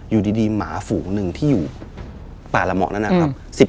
อยู่ดีหมาฝูหนึ่งที่อยู่ป่าละเหมาะนั้นนะครับ